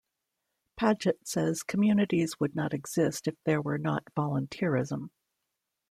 Padgitt says, Communities would not exist if there were not volunteerism.